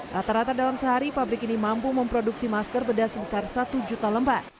rata rata dalam sehari pabrik ini mampu memproduksi masker bedah sebesar satu juta lembar